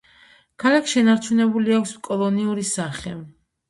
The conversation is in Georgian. ქალაქს შენარჩუნებული აქვს კოლონიური სახე.